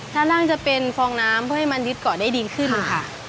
ถ้านั่งจะเป็นฟองน้ำเพื่อให้มันยึดเกาะได้ดีขึ้นค่ะ